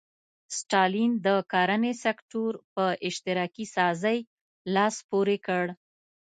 ستالین د کرنې سکتور په اشتراکي سازۍ لاس پورې کړ.